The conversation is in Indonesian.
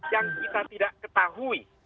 yang kita tidak ketahui